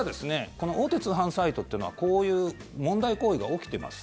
この大手通販サイトっていうのはこういう問題行為が起きてます